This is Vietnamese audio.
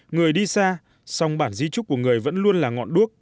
người đi xa song bản di trúc của người vẫn luôn là ngọn đuốc